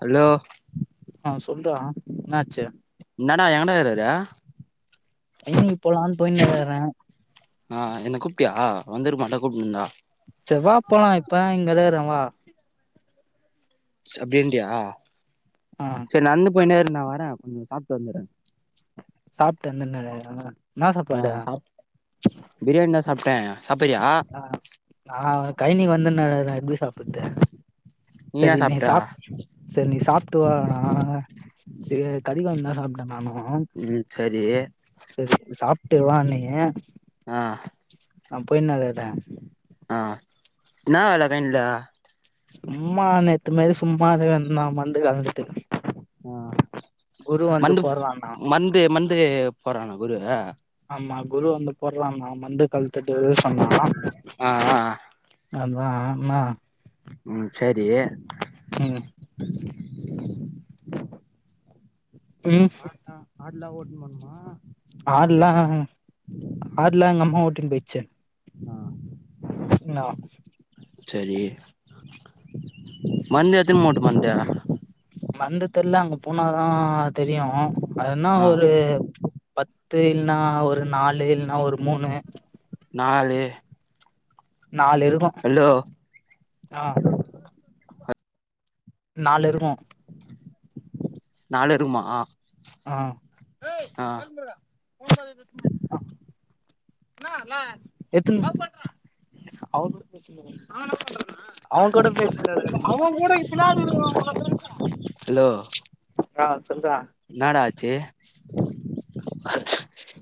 hello ஆ சொல்றா என்னச்சு என்னடா எங்கடா கேக்றறு ஐனிங் போலான்னு போயினு இருக்கிற ஆ என்ன கூப்டாய வந்தருமால்லை கூப்பிடட்டுந்தா செவ்வ போலா இப்ப இங்கதாகுறே வா அப்டீன்றைய ஆ சரி நான்ந்து போநேரு நான் வரே கொஞ்சம் சாப்பிட்டு வந்துடுரன் சாப்ட்டு வந்துன்னுருக்குறே என்னா ஆ சாப்பாடு சாப் பிரியாணி தா சாப்பிட்டே ஆ ஆ கை நீக்கு வந்தன்ன எடுடி சாப்பதறது என்ன சரி நீ சாப்ட்ட சாப் சரி நீ சாப்பிட்டுவ ச கறிவாங்கி நானும் ம் சரி சரி சாப்ட்டு வா நீ ஆ நான் போய்னுருக்கே ஆ நான் [inaudible] சும்மா நேத்து மாதிரி சும்மாந்த வந்து கலந்துட்டு ஆ குரு வந்து மந்து போட்றான்னா மந்து மந்து போறான குரு ஆமா குரு வந்து போடலான்னா மந்து கழுத்துட்டு சொன்னா ஆ ஆதா ஆதா ம் சரி ம் ம் ஆடலாம் ஆடலாம் ஓட்ட பண்ணுமா ஆடெலாம் ஆடெலாம் எங்க அம்மா ஓடிட்ன்டு போயிடுச்சு ஆ நா மந் எத்தின் மோட் மந்தே மந்து தெர்ல அங்கு போனாதா தெர்யு அதுனா ஆ ஒரு பத் து இல்ன்னா ஒரு நாலு இல்ன்னா ஒரு மூணு நாலு நாலு இருக்கு ஹலோ ஆ நாலு இருக்கு அலருமா ஆ எத்துன் எதா ஒரு [unintelligible] அவ கூட பேசுல இவ்ரு அ ன்னாடா ஆச்சு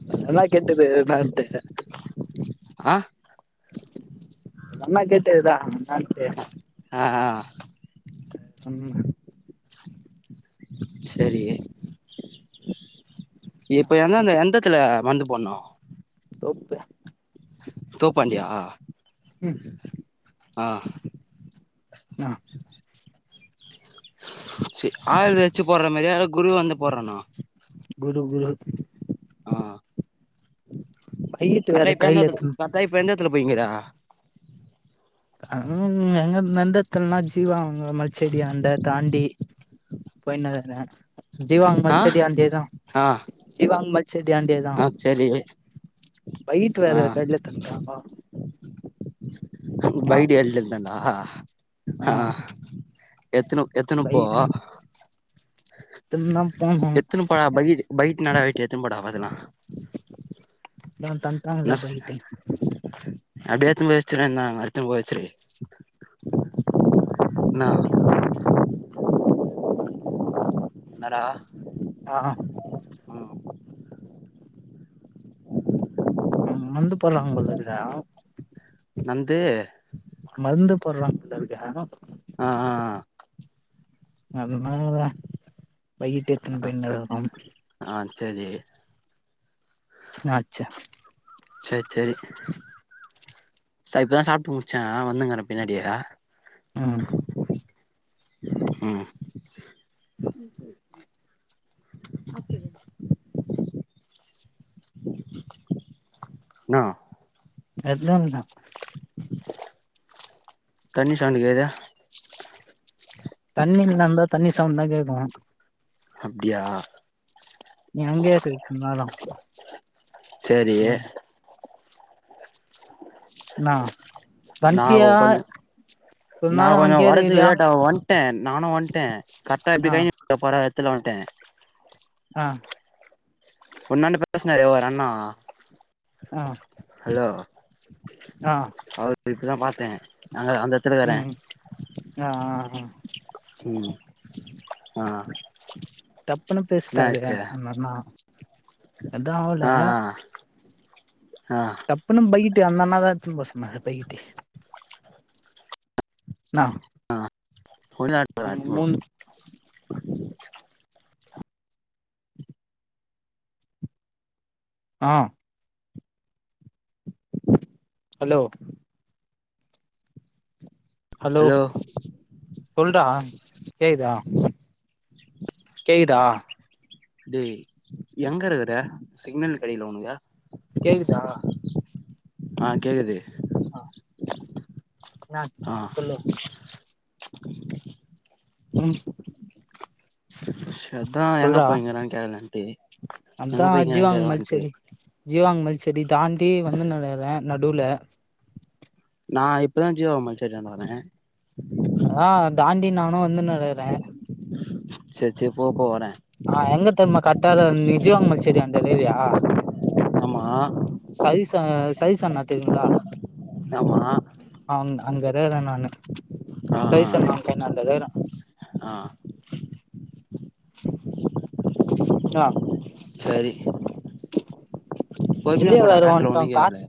வர்தானா கேட்டது நான்ட்டு ஆ அந் அண்ணா கேட்டதுதா அண்ணான்ட்டு ஆ ஆ அம்மு செரி பொண்னோ தோப்பே தோப் ஆண்ட்யா ம் அ நா சி ஆயில் வெச்சு போற்ற மேர்யா யரோ குரு வந்து போற்றனா குரு குரு அ பையிட்டு கட்டா வேற இப்ப கையில எங்கக்குது எத்துனு கர்ட்டா இப்ப எங்க த்துல பொய்ங்கறா அவ் எங்க நந்தத்துல்னா ஜீவா அவுங்க மல்ச்செடியாண்ட தாண்டி போய்னகுற்ற ஜீவா அங் ஆ மல்ச்சடி ஆன்டே தா ஆ ஜீவா அங் மல் செடி ஆன்டே தா ஆ செரி பைட் ஆ வேற கைலேத்தன்ட்ட வா உர் பைடு எல் இல்லன்னா அ எத்துனு எத்துனுபோ எத்துன்தா போனோ எத்துனு பொழா பைஜ் பைட் நல்லா வெய்ட் எத்துன் போடா பாதுல்லா [inaudible] [inaudible] தன்ட்டாங்களே பையிட்டு அப்டே எத்துன் போய் வச்சுற்றே தா அர்த்துன் போ வெச்சுரு ன்னா [inaudible] ன்னரா ஆ ம் மந்து பொலா பொல்லக்கு டா நந்து மர்ந்து போட்றாங் புலர்க் ஏஹு அ அ ஆ அதனாலாதா பைகிட்டு எத்துன் போய்னுருக்குறோ சேலி என்னாச்சு சே சேரி தா இப்பதா சாப்ட்டு முட்ச்ச வந்துங்கற பின்னாடியே அ ம் [unintelligible] ந எக்ஸாமுனா தண்ணி சௌன்ட் கேக்தா தண்ணில நடந்தா தண்ணி சவுண்டு தா கேக்கு அப்டியா நீ அங்கய இரு வாரொ சேரி ன்ன நா கொஞ்ச நா கொஞ்ச வரத்துக்கு லேட்டாவு வந்ட்டேன் நானு வந்ட்டேன் கரெக்டா எப்டி கை நீட் பொற எத்துல வந்ட்டேன் அ ஒன்னாண்ட பேசுனாரே ஒரு அண்ணா ஹலோ அவர் ட இப்ப தா பாத்தே அங்க அந்த எடத்துலக்கறே ம் ஆ ஆ ம் ஆ டப்புன்னு என்ன பேசிடாதே ஆச்சு அந்த அண்ணா அதா ஆவுல ஆ ஆ டப்புனு பைட்டு அந்தண்ணாதா எடுத்துடு போக சொன்னாங்க பையிட்டு ந ஆ மூஞ் [unintelligible] ஆ ஹல்லோ ஹலோ சொல்டா கேகுதா கேகுதா டேய் எங்க இருக்குற சிக்னல் கெடிக்குல ஒணுக்கு கேக்குதா ஆ கேக்குது அ ன்ன ஆ சொல்லு ம் சர்தா எங்க சொல்றா போயருங்கறே கேக்றகான்டி எங்க அதா போயிக்கீங்க ஜீவாங்க கேக்கலான்ட்டு மல்ச்செடி ஜீவாங்க மல்ச்செடி தாண்டி வந்துனுருக்குறே நடூல நா இப்பதா ஜீவாவ [unintelligible] அங்க வரே ஆ தாண்டி நானு வந்துனுருக்குறே ச்சரி சரி போப்போ வரே ஆ எங்க தெரிமா கட்டார விஜயோ [unintelligible] சேரி அந்த வீதியா ஆமா சதீஸ் சதீஸ் அண்ணா தெரியுல ஆமா அங்கருக்குறே நானு ஆ ஆ சதீஸ் அண்ணா பைணான்டருக்குறே ஆ அ சரி பொருமியா வெளிய போடா வேற காத்துல ஒன்னு வந்ட்டோம் காத் கேக்கல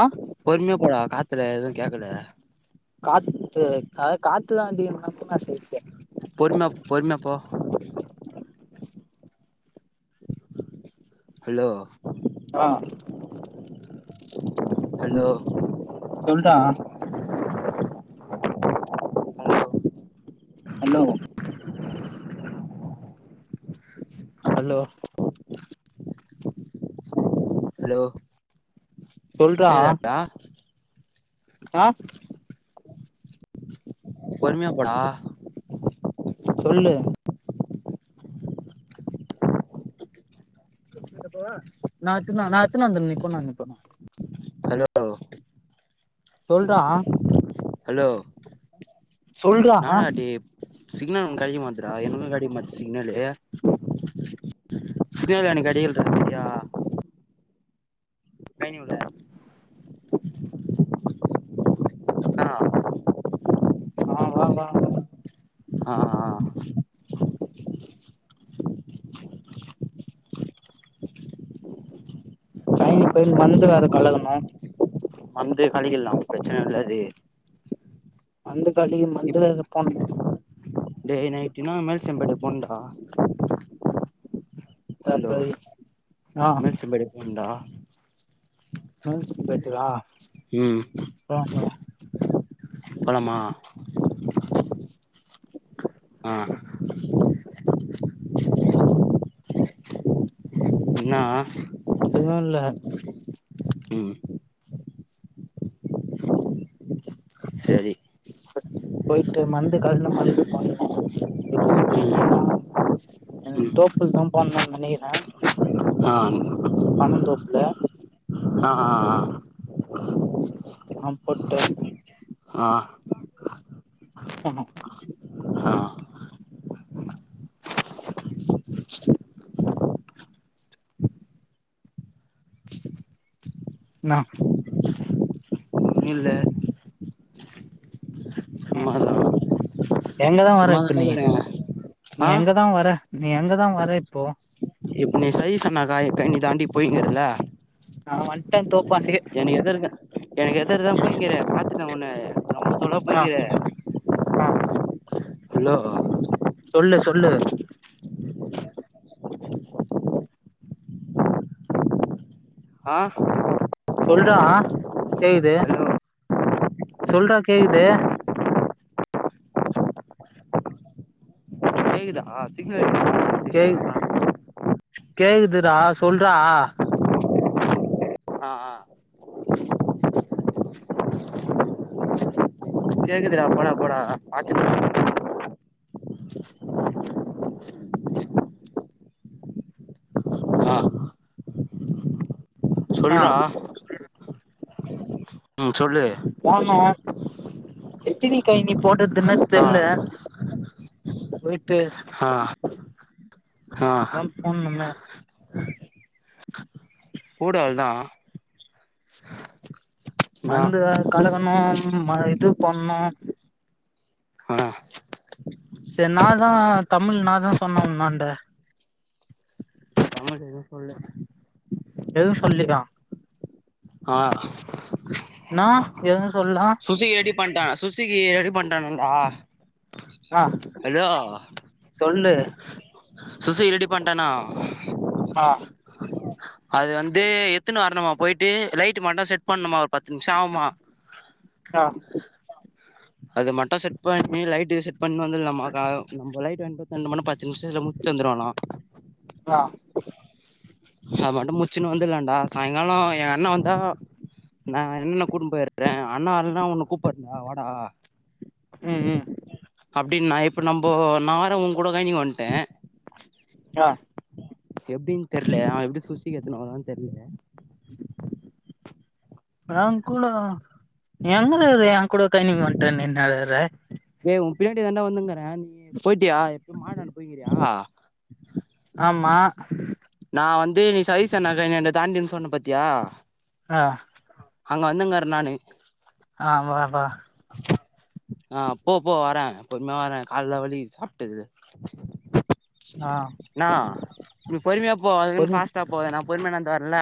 ஆ பொருமியா போடா காத்துல எது கேக்கல காதுகுத்து காத்துதா அதிகமா பொறுமயா பொறுமய போ ஹலோ ஆ ஹலோ சொல்றா ஹலோ ஹலோ ஹலோ சொல்றா கேக்குதாடா ஆ பொறுமயா போடா சொல்லு கேட்டப்போ நா எத்துனு நா எத்துனு வந்துற நீ போ நா [unintelligible] [unintelligible] சொல்றா ஹலோ சொல்றா நானாடி சிக்னல் கடக்க மாட்துரா என்னக்கு கடக்க மாட்டுது சிக்னலு சிக்னல் எனக்கு கடைக்கல்டா சரியா டைம்முகுள்ள ஆ ஆ வா வா வா ஆ ஆ ஆ டைம்கு போய்ட்டு மருந்து வேற கலக்கணு வந்து கலக்கிட்லா பிரச்சன இல்ல அது வந்து கலக்கி மண்டே இப் அது பண்ணு டே நைட்டுனா மேல் செம்படுக்கு போணுடா ஹலோ போட்ணு ஆ மேல் செம்பேடுக்கு போனுடா மேல் செம்பேடுக்கா ம் போலாமா ஆ இன்னா எதுவும் [inaudible] ம் சரி போயிட்டு மந்து கல்ந்து மந்து பண்ணு பிக்கினிக்கு ம் என்னனா இன்னைக்கு ம் தோப்புல தா பண்ணோன்னு நெனைக்கிறே ஆ உள்ள ஆ ஆ ஆ ஆ போட்டே ஆ ஆ அமா ஆ இன்னா இல்ல [inaudible] பண்லாடா எங்கதா வர இப்ப நீ நீ ஆ எங்கதா வர நீ எங்கதா வர இப்போ இப்ப நீ சரி சொன்னாகா இத நீ தாண்டி போய்னுகுறல நா வந்டே தோ எனக்கு எதிர்க எனக்கு எதிர்கதா போயிகிற பாத்துட்ட உண்ண சம்பத்தோட ஆ போய்கிற ஆ ஹலோ சொல்லு சொல்லு ஆ சொல்றா கேக்குது ஹலோ சொல்றா கேக்குது கேக்குதா சிக்னல் [inaudible] கே சரியா கேக்குதுடா சொல்றா ஆ ஆ கேக்குதுடா போடா போடா பாத்துனு [inaudible] [unintelligible] ஆ ஆ சொல்றா ம் சொல்லு எத்துவி காய நீ போட்டதுன்னு ஆ தெர்ல ட்டு ஆ ஆ ரம் போன் பண்ண போடு அவ்ள்தா மர்ந்து கலகணு ம இது பண்ணு ஆ செர் நாதா தமிழ் நாதா சொன்ன உன்னாண்ட வேற எது சொல்ல எதுவு சொல்லியா ஆ ஆ எத சுசிகி ரெடி பண்ட சுசிகி ரெடி பண்டானாடா ரா சொல்லு சுசுகி ரெடி பண்ட்டானா ஆ அது வந்து எத்துனு வரணுமா போயிட்டு லைட்டு மட்டு செட் பண்ணுமா ஒரு பத்து நிமிஷ ஆவ்மா ஆ அது மட்டு செட் பண்ணி லைடு செட் பண்ணுன் வந்துல்லாமா க நம்ப லைட்டு வாய்ன்டு [unintelligible] ஞ்சு நிம்ஷதுல முச்சு வந்துருவானா ஆ அத மட்டு முச்சின்னு வந்துலான்டா சாய்ங்கால எ அண்ண வந்தா நா என்னென்ன கூட்னு போய்ட்ற அண்ணா இன்னா உண்ணு கூப்புறாண்டா வடா உம் உம் அப்டின் நா இப்ப நம்போ நார உங்க கூட கலிஞ்சினு வந்ட ஆ எப்டின் தெர்ல அவ எப்டி சுசுகி எத்துனு வரானானு தெர்ல ஏங் கூட எங்கற அ கூட கைனிங்க வட்டன் நிநானர ஏய் உன் பின்னாடி தாண்டா வந்துங்கற நீ போய்டியா எப்டி மாடான்ட போய்கிறியா ஆம்மா நா வந்து நீ சதீஷன்னா கடையாண்ட தாண்டின் சொன்ன பத்தியா ஆ அங்க வந்தின்ங்கர நானு ஆ அங்கவாடா அங்கவாடா ஆ போ போ வர பொறுமைய வர கால்லா வலிகுது சாப்ட்டது ஆ நா நீ பொறுமையா போ அதுக்குன்னு பொறு ஃபாஸ்டா போவேனா நா பொறுமையா நடந் தெர்ல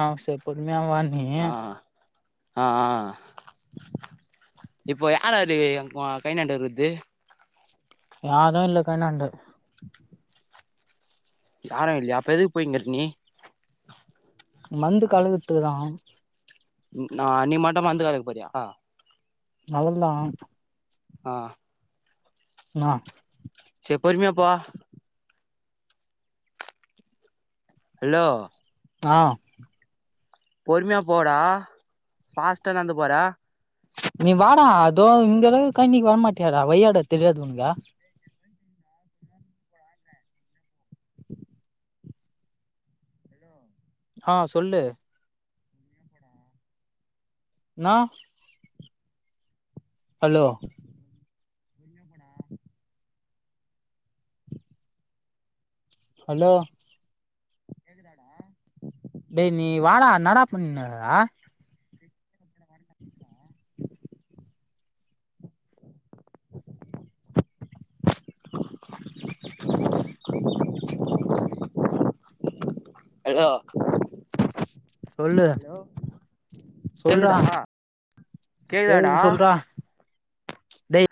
ஆ ச பொறுமையா வா நீ ஆ ஆ ஆ இப்போ யாராறு ஓ கைநாண்ட இருக்கற்து யாரு இல்ல கைநாண்ட யாரு இல்லையா அப்ப எதுக்கு போயின்கற நீ மந்து கலக்குத்துகு தா நா நீ மட்டு மந்து கலக்க போறியா அவ்வள் தா ஆ ன்னா செர் பொறுமையா போ ஹல்லோ ஆ பொறுமையா போடா பாஸ்டா நடந்து போற நீ வாடா இதோ இங்க தாருக் கழனிக்கு வரமாட்டியாடா வய்யாடா தெரியாது ஒனுக்கு ஆ சொல்லு நா ஹலோ ஹலோ கேக்குதாடா டேய் நீ வாடா என்னாடா பண்ணுகுற எலோ சொல்லு சொல்டா கேக்குதா கேக்குதாடா கேக்குது சொல்டா டேய்